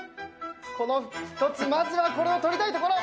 この１つまずはこれを取りたいところ。